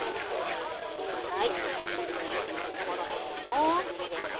モロヘイヤも入れます。